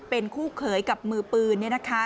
เป็นคู่เขยกับมือปืน